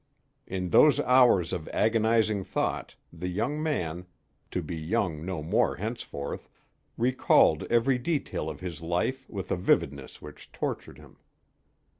In those hours of agonizing thought, the young man to be young no more henceforth recalled every detail of his life with a vividness which tortured him.